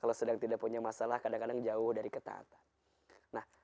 kalau sedang tidak punya masalah kadang kadang jauh dari ketaatan